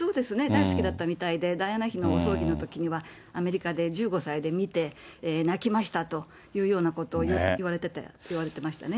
大好きだったみたいで、ダイアナ妃の葬儀のときには、アメリカで１５歳で見て、泣きましたというようなことを言われてましたね。